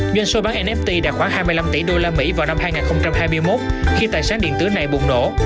doanh số bán nft đạt khoảng hai mươi năm tỷ usd vào năm hai nghìn hai mươi một khi tài sản điện tử này bùng nổ